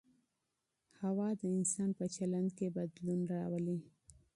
هوا د انسان په چلند کي بدلون راولي.